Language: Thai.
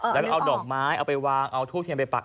แล้วก็เอาดอกไม้เอาไปวางเอาทูบเทียนไปปัก